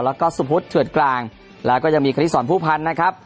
แล้วก็สุพุทธเฉือดกลางแล้วก็ยังมีคณิตสอนผู้พันธ์นะครับ